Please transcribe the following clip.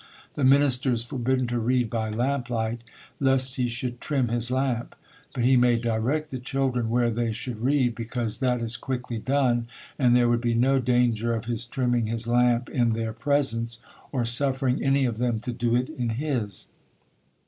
The minister is forbidden to read by lamp light, lest he should trim his lamp; but he may direct the children where they should read, because that is quickly done, and there would be no danger of his trimming his lamp in their presence, or suffering any of them to do it in his.